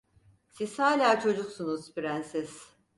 Siz hala çocuksunuz Prenses…